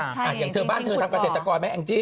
ใช่จริงขุดบ่ออย่างที่บ้านเธอทำเกษตรกรไหมแองจิ